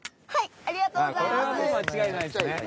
ありがとうございます。